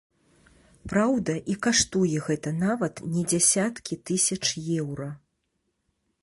Праўда, і каштуе гэта нават не дзясяткі тысяч еўра.